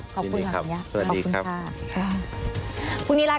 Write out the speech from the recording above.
ครับยินดีครับ